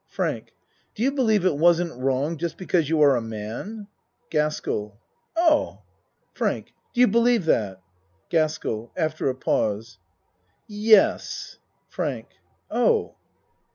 FRANK Do you believe it wasn't wrong just because you are a man? GASKELL Oh FRANK Do you believe that? GASKELL (After a pause.) Yes. FRANK Oh!